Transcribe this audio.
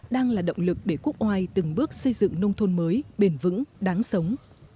đang là động lực để quốc oai từng bước xây dựng nông thôn mới bền vững đáng sống